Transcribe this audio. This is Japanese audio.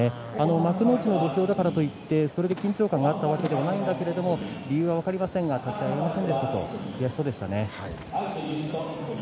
幕内の土俵だからといって緊張感があったわけではないんだけど理由分かりませんが、立ち合い合いませんでしたね。